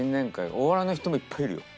お笑いの人もいっぱいいるよ。